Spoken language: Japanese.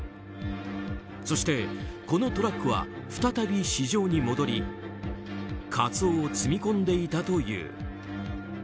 そして、このトラックは再び市場に戻りカツオを積み込んでいたという。